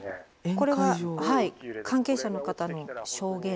これは関係者の方の証言。